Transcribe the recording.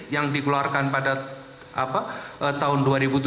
yang dikeluarkan pada tahun dua ribu tujuh belas